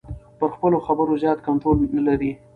پر خپلو خبرو زیات کنټرول نلري.